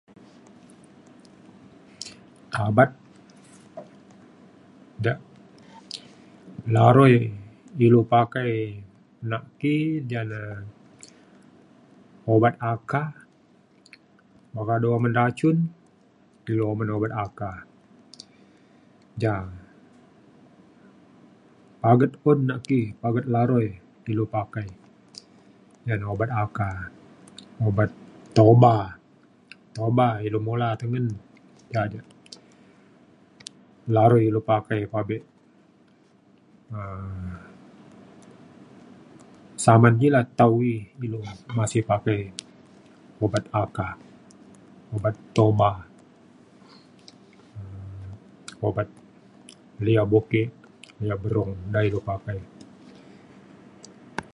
tabat ja larui ilu pakai na ki ja le ubat aka oka du oman racun ilu uman ubat aka. ja aget un naki aget larui ilu pakai ja na ubat aka ubat toba toba ilu mula tengen ja de larui ilu pakai pabe um zaman ji la tau ei ilu masih pakai ubat aka ubat toba um ubat lia buke lia berung da ilu pakai